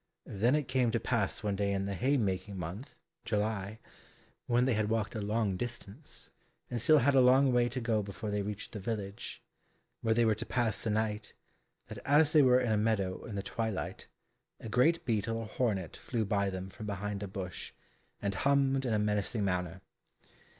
Then it came to pass one day in the hay making month (July), when they had walked a long distance, and still had a long way to go before they reached the village where they were to pass the night, that as they were in a meadow in the twilight a great beetle or hornet flew by them from behind a bush, and hummed in a menacing manner.